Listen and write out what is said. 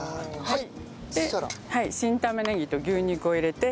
はい。